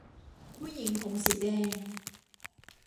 ผู้หญิงผมสีแดง